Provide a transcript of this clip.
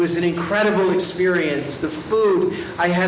makanan saya memiliki milkshake durian